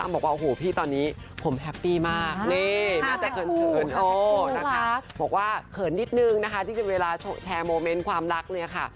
บอกว่าเขินนิดหนึ่งนะคะที่เวลาแชร์โมเมนต์ความรักเลยค่ะ